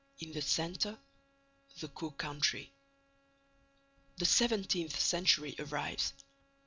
In the centre, the Caux country. The seventeenth century arrives.